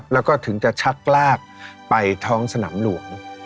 แล้วก็ถึงจะชักลากไปท้องสนามหลวง